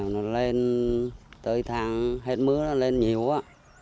nó lên tới thang hết mưa nó lên nhiều quá